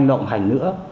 động hành nữa